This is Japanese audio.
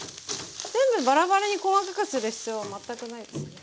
全部バラバラに細かくする必要は全くないですね。